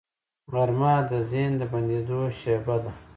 غرمه د ذهن د بندېدو شیبه ده